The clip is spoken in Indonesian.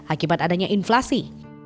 akibat adanya inflasi